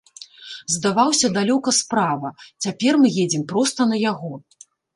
Здаваўся далёка справа, цяпер мы едзем проста на яго.